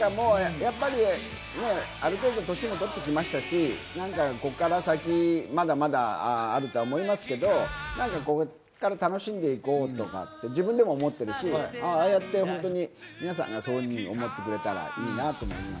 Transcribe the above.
やっぱりある程度、年も取ってきましたし、ここから先、まだまだあるとは思いますけど、ここから楽しんでいこうとか自分でも思ってるし、ああやって皆さんがそういうふうに思ってくれたらいいなと思います。